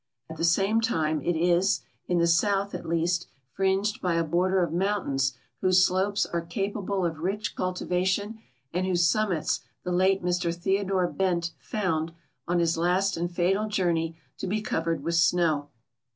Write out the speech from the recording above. At the same time it is, in the south at least, fringed by a border of mountains whose slopes are capable of rich cultivation and whose summits the late Mr Tlieodore Hent found, on his last and fatal journey, to be covered with snow.